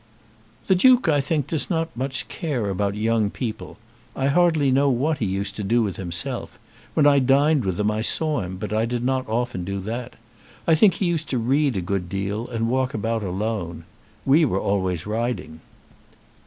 "The Duke, I think, does not much care about young people. I hardly know what he used to do with himself. When I dined with them, I saw him, but I did not often do that. I think he used to read a good deal, and walk about alone. We were always riding."